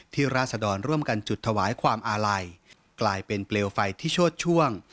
ราศดรร่วมกันจุดถวายความอาลัยกลายเป็นเปลวไฟที่โชดช่วง